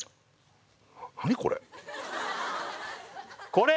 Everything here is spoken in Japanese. これ！